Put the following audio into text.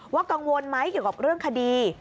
กังวลไหมเกี่ยวกับเรื่องคดี